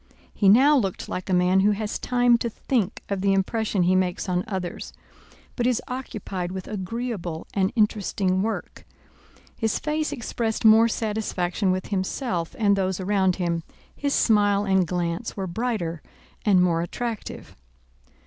He now looked like a man who has time to think of the impression he makes on others, but is occupied with agreeable and interesting work. His face expressed more satisfaction with himself and those around him, his smile and glance were brighter and more attractive.